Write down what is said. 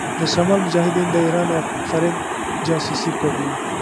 د شمال مجاهدين د ايران او فرنګ جاسوسي کوي.